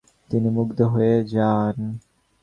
তিনি মুগ্ধ হয়ে যান।